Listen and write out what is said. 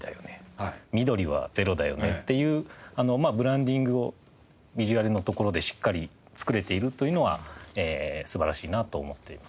緑は『ｚｅｒｏ』だよねっていうブランディングをビジュアルのところでしっかり作れているというのは素晴らしいなと思っています。